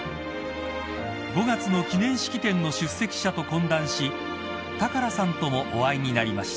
［５月の記念式典の出席者と懇談し良さんともお会いになりました］